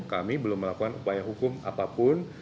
kami belum melakukan upaya hukum apapun